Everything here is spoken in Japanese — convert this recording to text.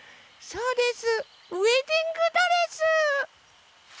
どうです？